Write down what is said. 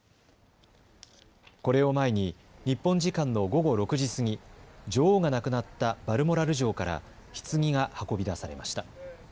これを前に日本時間の午後６時過ぎ、女王が亡くなったバルモラル城から、ひつぎが運び出されました。